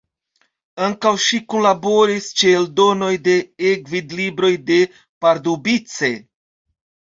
Ankaŭ ŝi kunlaboris ĉe eldonoj de E-gvidlibroj de Pardubice.